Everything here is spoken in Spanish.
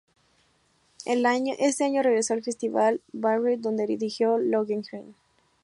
Ese año regresó al Festival de Bayreuth, donde dirigió "Lohengrin".